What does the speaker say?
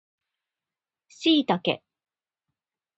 シイタケ